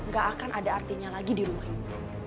gak akan ada artinya lagi di rumah ini